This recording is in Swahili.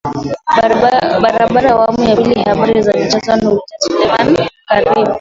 barabara awamu ya pili habari za michezo nurdin selumani karibu